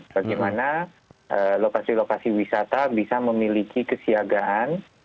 bagaimana lokasi lokasi wisata bisa memiliki kesiagaan